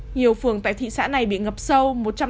nhiều phường tại thị xã này bị ngập sâu